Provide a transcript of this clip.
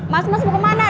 mas mas mau kemana